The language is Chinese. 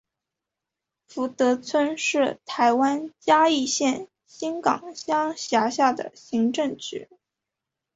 福德村是台湾嘉义县新港乡辖下的行政区。